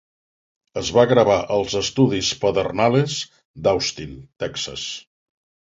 Es va gravar als estudis Pedernales d'Austin, Texas.